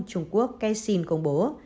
trung quốc kexin công bố